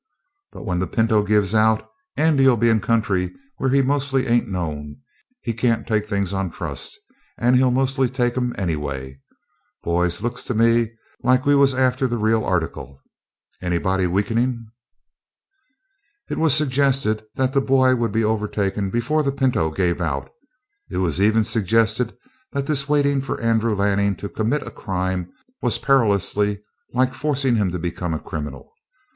But when the pinto gives out, Andy'll be in country where he mostly ain't known. He can't take things on trust, and he'll mostly take 'em, anyway. Boys, looks to me like we was after the real article. Anybody weakenin'?" It was suggested that the boy would be overtaken before the pinto gave out; it was even suggested that this waiting for Andrew Lanning to commit a crime was perilously like forcing him to become a criminal.